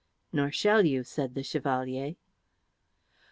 "Nor shall you," said the Chevalier.